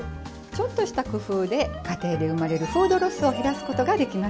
ちょっとした工夫で家庭で生まれるフードロスを減らすことができますよ。